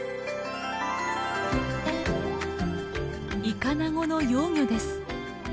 イカナゴの幼魚です。